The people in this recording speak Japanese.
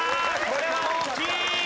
これは大きい！